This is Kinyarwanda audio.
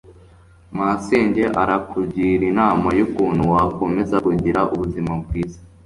Masenge arakugira inama yukuntu wakomeza kugira ubuzima bwiza.